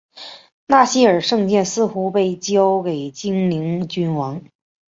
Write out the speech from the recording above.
纳希尔圣剑似乎被交给精灵君王。